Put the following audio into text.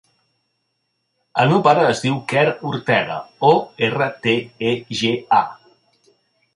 El meu pare es diu Quer Ortega: o, erra, te, e, ge, a.